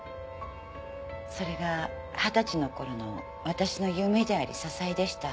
それが二十歳の頃の私の夢であり支えでした。